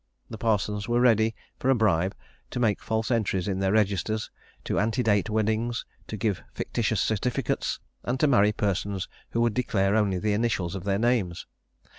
The parsons were ready, for a bribe, to make false entries in their registers, to ante date weddings, to give fictitious certificates, and to marry persons who would declare only the initials of their names.